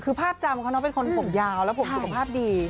คือภาพจำเขาน้องเป็นคนผมยาวแล้วผมสุขภาพดี